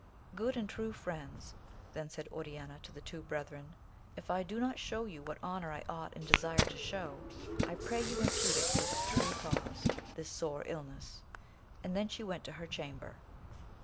Good and true friends, then said Oriana to the two brethren, if I do not show you what honour I ought and desire to show, I pray you impute it to its true cause, this sore illness ! and then she went to her chamber.